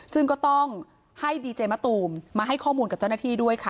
ซึ่งก็ต้องให้ดีเจมะตูมมาให้ข้อมูลกับเจ้าหน้าที่ด้วยค่ะ